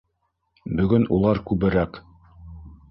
Бөгөн улар күберәк.